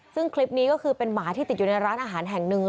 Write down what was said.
ซึ่งคลิปนี้ก็คือเป็นหมาที่ติดอยู่ในร้านอาหารแห่งหนึ่ง